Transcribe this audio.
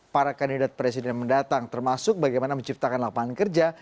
para kandidat presiden mendatang termasuk bagaimana menciptakan lapangan kerja